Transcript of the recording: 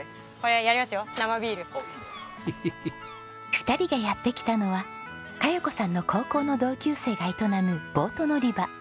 ２人がやって来たのは香葉子さんの高校の同級生が営むボート乗り場。